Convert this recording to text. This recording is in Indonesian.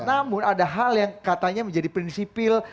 namun ada hal yang katanya menjadi prinsipil